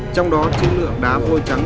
trong đó chất lượng đá vôi trắng